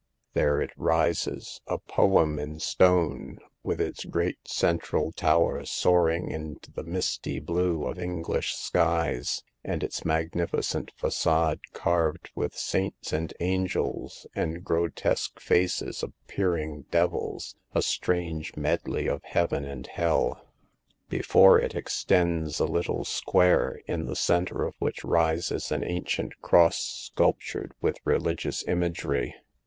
There it rises, a poem in stone, with its great central tower soaring into the misty blue of English skies ; and its magnificent facade carved with saints, and angels, and grotesque faces of peering devils — a strange medley of Heaven and hell. Before it, extends a little square, in the center of which rises an ancient cross sculptured with religious imagery.